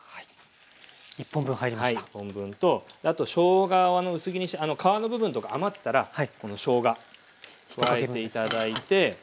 １本分とあとしょうがを薄切りにして皮の部分とか余ったらこのしょうが加えて頂いて。